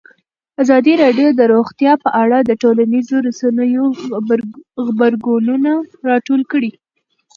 ازادي راډیو د روغتیا په اړه د ټولنیزو رسنیو غبرګونونه راټول کړي.